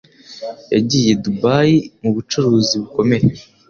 Yagiye dubayi mubucuruzi bukomeye.